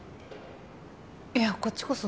いやこっちこそ。